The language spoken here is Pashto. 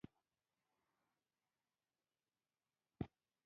د اسلام دین مکمل رواج هغه مهال پیل شو.